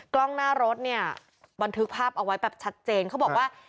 กล้องหน้ารถเนี่ยบันทึกภาพเอาไว้แบบชัดเจนเขาบอกว่า